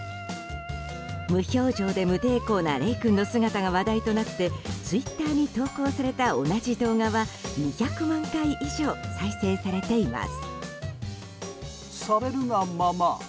無表情で無抵抗なレイ君の姿が話題となってツイッターに投稿された同じ動画は２００万回以上再生されています。